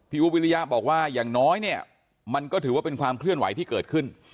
อุ๊บวิริยะบอกว่าอย่างน้อยเนี่ยมันก็ถือว่าเป็นความเคลื่อนไหวที่เกิดขึ้น